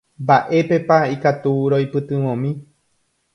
Mba'épepa ikatu roipytyvõmi.